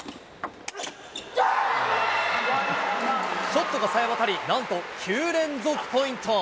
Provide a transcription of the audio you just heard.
ショットがさえ渡り、なんと９連続ポイント。